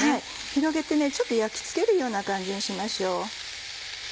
広げて焼き付けるような感じにしましょう。